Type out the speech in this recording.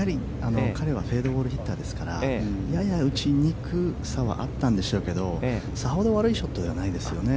フェードボールヒッターですからやや打ちにくさはあったんでしょうけどさほど悪いショットではないですよね。